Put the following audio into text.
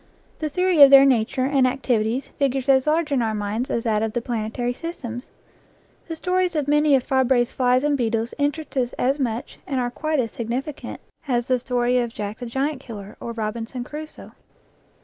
The theory of their nature and activities figures as large in our minds as that of the planetary systems. The stories of many of Fabre's flies and beetles interest us as much, and are quite as significant, as the story of Jack the Giant Killer or of Robinson Crusoe.